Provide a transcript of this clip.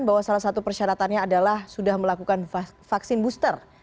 bahwa salah satu persyaratannya adalah sudah melakukan vaksin booster